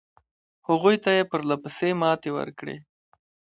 هغوی ته یې پرله پسې ماتې ورکړې.